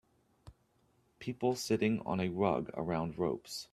People sitting on a rug around ropes.